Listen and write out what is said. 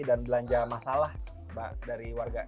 dan belanja masalah dari warga